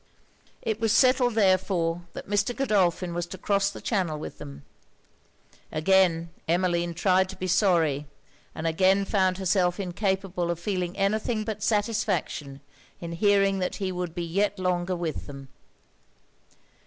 It was settled therefore that Mr. Godolphin was to cross the channel with them. Again Emmeline tried to be sorry, and again found herself incapable of feeling any thing but satisfaction in hearing that he would be yet longer with them.